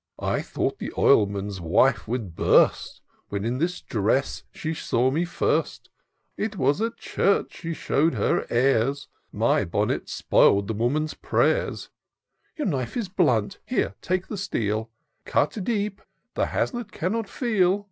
— I thought the Oilman's wife would burst, When in this dress she saw me first ; It was at church she show'd her airs ; My bonnet spoil'd the woman's prayers. Your knife is blunt ; here, take the steel : Cut deep — the haslet cannot feel.